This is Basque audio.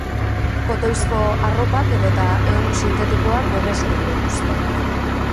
Kotoizko arropak edota ehun sintetikoak hobesten dituzte.